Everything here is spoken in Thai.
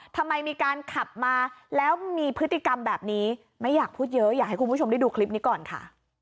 ทำไมมีการขับมาแล้วมีพฤติกรรมแบบนี้ไม่อยากพูดเยอะอยากให้คุณผู้ชมได้ดูคลิปนี้ก่อนค่ะ